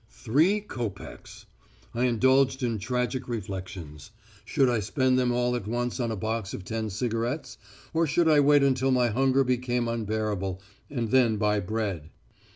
"Three copecks! I indulged in tragic reflections. Should I spend them all at once on a box of ten cigarettes, or should I wait until my hunger became unbearable, and then buy bread?